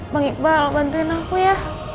bang iqbal bantuin aku ya